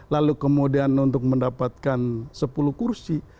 lalu kemudian untuk mendapatkan sepuluh kursi